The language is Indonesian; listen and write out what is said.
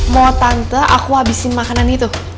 mau tante aku habisin makanan itu